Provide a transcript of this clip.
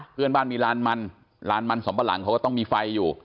เพื่อนบ้านมีลานมันลานมันสำปะหลังเขาก็ต้องมีไฟอยู่